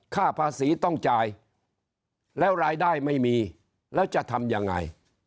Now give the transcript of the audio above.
ค่าภาษีต้องจ่ายแล้วรายได้ไม่มีแล้วจะทำยังไง